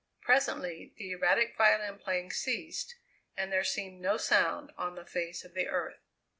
Presently the erratic violin playing ceased and there seemed no sound on the face of the earth.